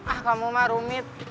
ah kamu mah rumit